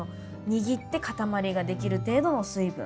握って塊ができる程度の水分。